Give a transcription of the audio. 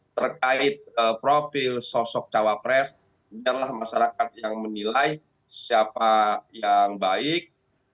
terkait profil sosok cawapres biarlah masyarakat yang menilai siapa yang baik